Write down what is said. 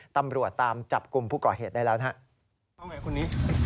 ผมไม่ได้ลงมาขนาดนั้น